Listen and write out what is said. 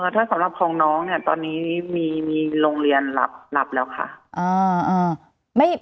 ถ้าสำหรับของน้องเนี่ยตอนนี้มีโรงเรียนรับแล้วค่ะ